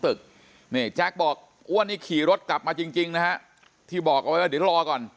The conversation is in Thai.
ตึกแจ็คบอกอ้วนนี่ขี่รถกลับมาจริงนะที่บอกเดี๋ยวรอก่อน